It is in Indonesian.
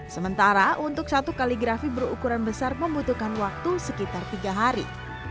sementara untuk satu kaligrafi berukuran besar membutuhkan waktu sekitar tiga hari